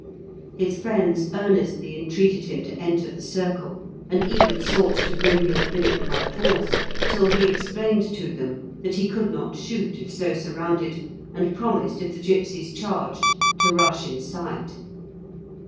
His friends earnestly entreated him to enter the circle, and even sought to bring him within it by force, till he explained to them that he could not shoot if so surrounded, and promised if the gipsies charged to rush inside.